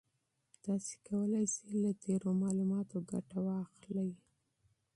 تاسي کولای شئ له تېرو معلوماتو ګټه واخلئ.